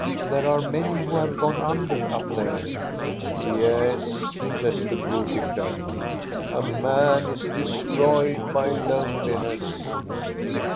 There are many who have gone under up there." " Yes," says the Broby clergyman ;" a man is destroyed by loneliness."